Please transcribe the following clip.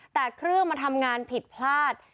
แต่เครื่องมันทำงานผิดพลาด